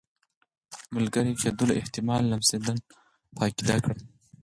ملګري کېدلو احتمال لمسډن په عقیده کړ.